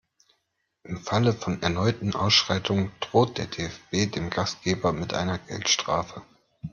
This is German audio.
Im Falle von erneuten Ausschreitungen droht der DFB dem Gastgeber mit einer Geldstrafe.